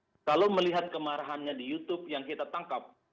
seberapa berani kemarahannya di youtube yang kita tangkap